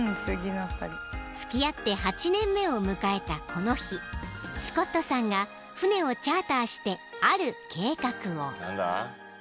［を迎えたこの日スコットさんが船をチャーターしてある計画を］